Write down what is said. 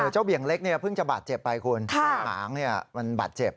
เบี่ยงเล็กเนี่ยเพิ่งจะบาดเจ็บไปคุณหางมันบาดเจ็บ